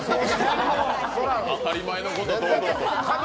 当たり前のことを堂々と。